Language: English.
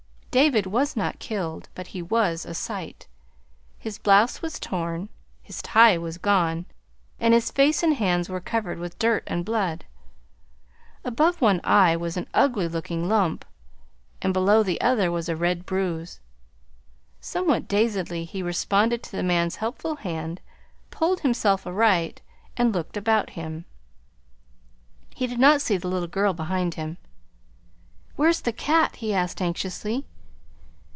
David was not killed, but he was a sight. His blouse was torn, his tie was gone, and his face and hands were covered with dirt and blood. Above one eye was an ugly looking lump, and below the other was a red bruise. Somewhat dazedly he responded to the man's helpful hand, pulled himself upright, and looked about him. He did not see the little girl behind him. "Where's the cat?" he asked anxiously.